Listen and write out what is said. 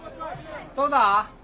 どうだ？